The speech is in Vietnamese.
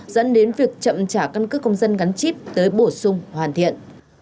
dẫn đến việc chậm trả căn cước công dân gắn chip tới bổ sung hoàn thiện